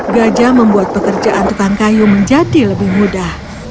gajah membuat pekerjaan tukang kayu menjadi lebih mudah